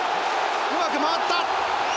うまく回った！